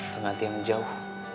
pengganti yang jauh